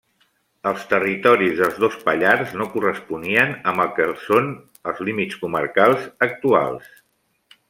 Els territoris dels dos Pallars no corresponien amb el que són els límits comarcals actuals.